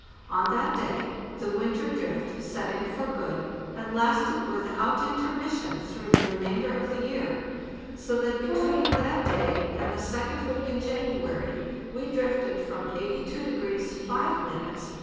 On that day the winter drift set in for good, and lasted without intermission through the remainder of the year, so that between that day and the second week in January we drifted from 82° 5' to 41° 41' east longitude.